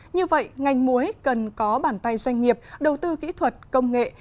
như vậy ngành muối cần có bàn tay doanh nghiệp đầu tư kỹ thuật công nghệ